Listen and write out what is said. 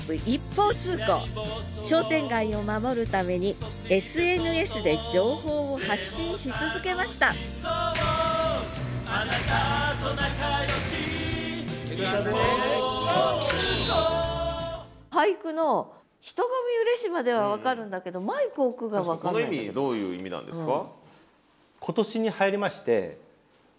商店街を守るためにＳＮＳで情報を発信し続けました俳句の「人混み嬉し」までは分かるんだけどこの意味どういう意味なんですか？